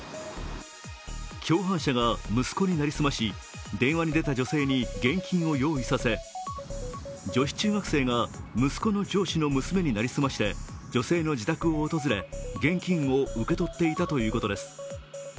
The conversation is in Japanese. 共犯者が息子に成り済まし電話に出た女性に現金を用意させ女子中学生が、息子の上司の娘に成り済まして女性の自宅を訪れ、現金を受け取っていたということです。